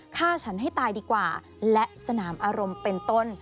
ฆ่าฉันให้ตายดีกว่าและสนามอารมณ์เป็นต้น